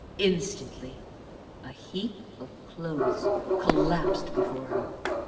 Instantly a heap of clothes collapsed before her.